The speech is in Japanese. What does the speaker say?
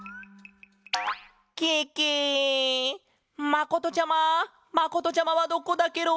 まことちゃままことちゃまはどこだケロ？